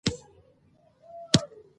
زده کوونکې به تر هغه وخته پورې مجلې چاپوي.